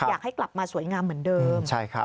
อยากให้กลับมาสวยงามเหมือนเดิม